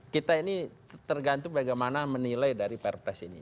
kita ini tergantung bagaimana menilai dari perpres ini